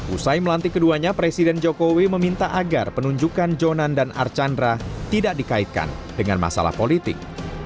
usai melantik keduanya presiden jokowi meminta agar penunjukan jonan dan archandra tidak dikaitkan dengan masalah politik